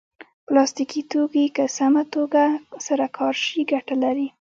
پلاستيکي توکي که سمه توګه سره کار شي ګټه لري.